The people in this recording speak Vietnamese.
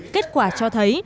kết quả cho thấy